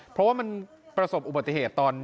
เพราะว่ามันประสบอุบัติเหตุตอน